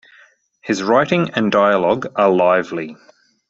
His writing and dialogue are lively.